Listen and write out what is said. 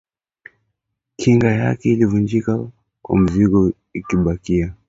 Kinga yake ilivunjika na mizigo inabakia